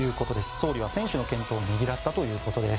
総理は選手の健闘をねぎらったということです。